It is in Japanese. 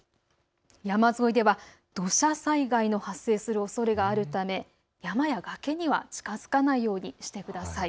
山沿いでは土砂災害の発生するおそれがあるため山や崖には近づかないようにしてください。